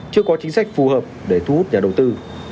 chưa có chính sách phù hợp để thu hút nhà đầu tư